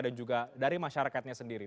dan juga dari masyarakatnya sendiri